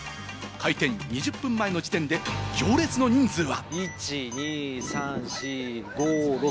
開店２０分前の時点で行列の人数は。